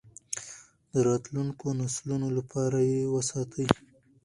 د راتلونکو نسلونو لپاره یې وساتئ.